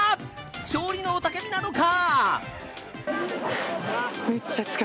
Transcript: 勝利の雄たけびなのか？